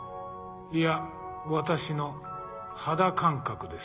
いや私の肌感覚です。